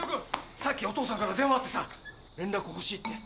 さっきお父さんから電話あってさ連絡欲しいって。